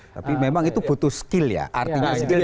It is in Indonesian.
tapi memang itu butuh skill ya artinya skill